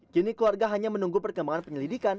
kini keluarga hanya menunggu perkembangan penyelidikan